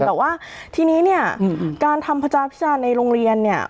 แต่ว่าทีนี้เนี่ยการทำพระจาพิจารณ์ในโรงเรียนเนี่ย